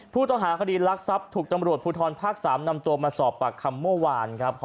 ผู้ต้องหาคดีรักทรัพย์ถูกตำรวจภูทรภาค๓นำตัวมาสอบปากคำเมื่อวานครับ